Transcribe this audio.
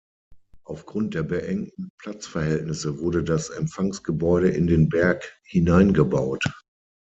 Aufgrund der beengten Platzverhältnisse wurde das Empfangsgebäude in den Berg hineingebaut.